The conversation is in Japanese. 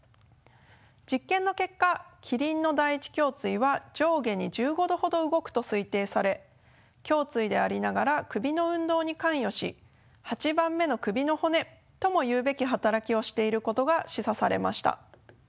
実験の結果キリンの第１胸椎は上下に１５度ほど動くと推定され胸椎でありながら首の運動に関与し８番目の首の骨ともいうべき働きをしていることが示唆されました。